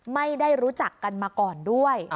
ไม่ได้รู้จักกันมาก่อนด้วย